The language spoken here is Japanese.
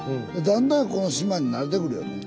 だんだんこの島に慣れてくるよね。